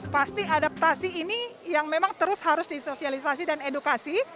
pasti adaptasi ini yang memang terus harus disosialisasi dan edukasi